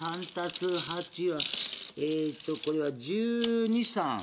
えーっとこれは１２１３。